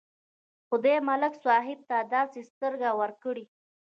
خدای ملک صاحب ته داسې سترګې ورکړې.